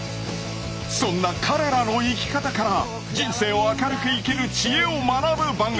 そんな彼らの生き方から人生を明るく生きる知恵を学ぶ番組